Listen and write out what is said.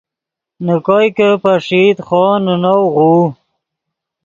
نے کوئے کہ پݰئیت خوو نے نؤ غوؤ